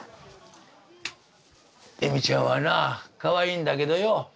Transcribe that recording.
エミちゃんはなかわいいんだけどよ